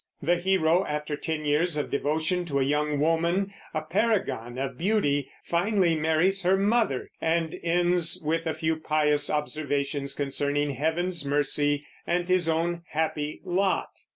The hero, after ten years of devotion to a young woman, a paragon of beauty, finally marries her mother, and ends with a few pious observations concerning Heaven's mercy and his own happy lot.